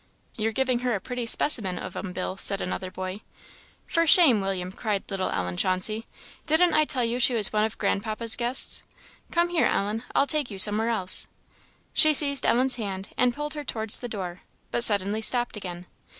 "You're giving her a pretty specimen of 'em, Bill," said another boy. "For shame, William!" cried little Ellen Chauncey; "didn't I tell you she was one of grandpapa's guests? Come here, Ellen, I'll take you somewhere else." She seized Ellen's hand and pulled her towards the door, but suddenly stopped again.